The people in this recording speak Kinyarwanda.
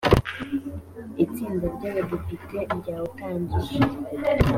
itsinda ry abadepite ryawutangije